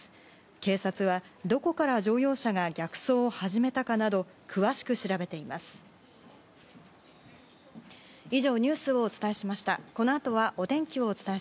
警察は、どこから乗用車が逆走を始めたかなど詳しく調べています。